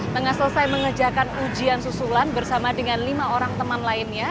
tengah selesai mengerjakan ujian susulan bersama dengan lima orang teman lainnya